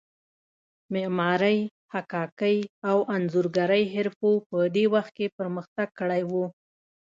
معمارۍ، حکاکۍ او انځورګرۍ حرفو په دې وخت کې پرمختګ کړی و.